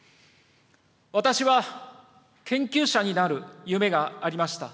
私は研究者になる夢がありました。